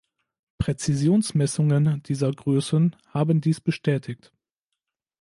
Präzisionsmessungen dieser Größen haben dies bestätigt.